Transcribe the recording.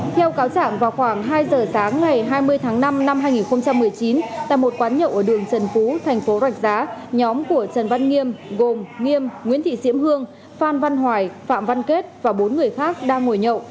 theo cáo chẳng vào khoảng hai giờ sáng ngày hai mươi tháng năm năm hai nghìn một mươi chín tại một quán nhậu ở đường trần phú thành phố rạch giá nhóm của trần văn nghiêm gồm nghiêm nguyễn thị diễm hương phan văn hoài phạm văn kết và bốn người khác đang ngồi nhậu